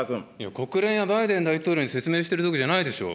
国連やバイデン大統領に説明しているときじゃないでしょう。